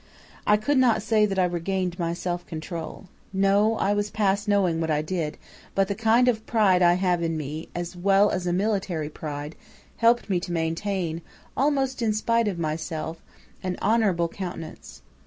I could not say that I regained my self control. No, I was past knowing what I did; but the kind of pride I have in me, as well as a military pride, helped me to maintain, almost in spite of myself, an honorable countenance.